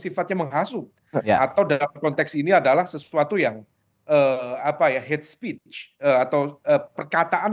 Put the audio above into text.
sifatnya menghasu atau dalam konteks ini adalah sesuatu yang apa ya hate speech atau perkataan